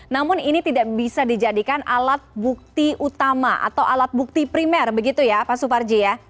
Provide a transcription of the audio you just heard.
namun ini tidak bisa dijadikan alat bukti utama atau alat bukti primer begitu ya pak suparji ya